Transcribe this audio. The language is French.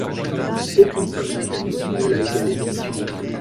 Aucune femme britannique ne l'a égalée depuis.